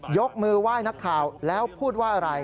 ยกมือไหว้นักข่าวแล้วพูดว่าอะไร